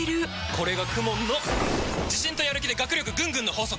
これがＫＵＭＯＮの自信とやる気で学力ぐんぐんの法則！